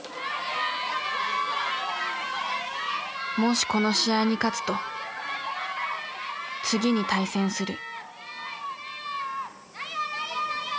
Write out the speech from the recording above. もしこの試合に勝つと次に対戦する。